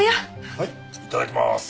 はいいただきまーす！